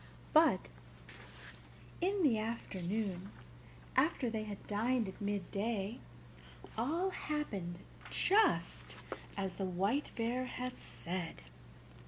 But in the afternoon, after they had dined at midday, all happened just as the White Bear had said.